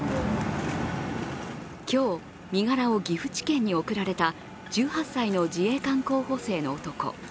今日、身柄を岐阜地検に送られた１８歳の自衛官候補生の男。